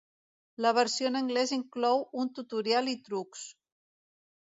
La versió en anglès inclou un tutorial i trucs.